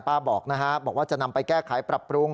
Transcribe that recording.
บอกนะฮะบอกว่าจะนำไปแก้ไขปรับปรุง